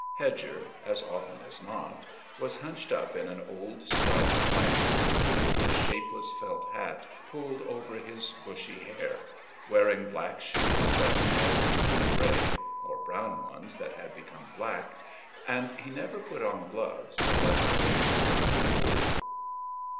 Hedger, as often as not, was hunched up in an old striped blanket coat, with a shapeless felt hat pulled over his bushy hair, wearing black shoes that had become grey, or brown ones that had become black, and he never put on gloves unless the day was biting cold.